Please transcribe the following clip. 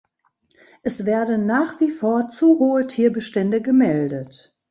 Es werden nach wie vor zu hohe Tierbestände gemeldet.